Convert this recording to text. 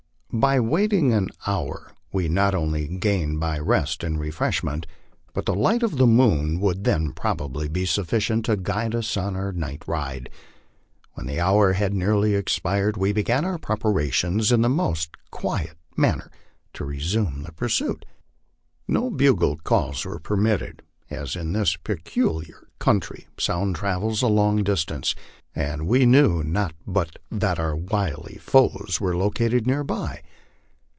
By waiting an hour we not only gained by rest and refreshment, but the light of the moon would then probably be sufficient to guide us on our night ride. When the hour had nearly expired, we began our preparations in the most quiet manner to resume the pursuit. No bugle calls were permitted, as in this peculiar coun try sound travels a long distance, and we knew not but that our wily foes were located near by.